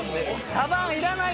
茶番いらない